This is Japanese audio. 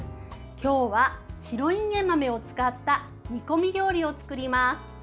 今日は、白いんげん豆を使った煮込み料理を作ります。